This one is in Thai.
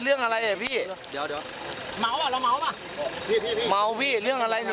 นั่งก่อนนั่ง